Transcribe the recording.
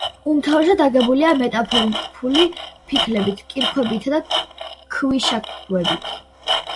უმთავრესად აგებულია მეტამორფული ფიქლებით, კირქვებითა და ქვიშაქვებით.